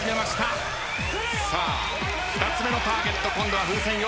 さあ２つ目のターゲット今度は風船４つ。